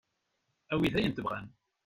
Awit ayen tebɣam.